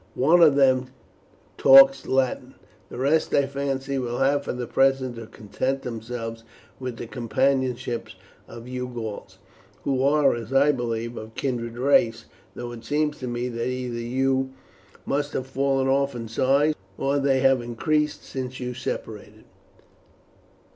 One of them talks Latin. The rest, I fancy, will have, for the present, to content themselves with the companionship of you Gauls, who are, as I believe, of kindred race, though it seems to me that either you must have fallen off in size, or they have increased since you separated."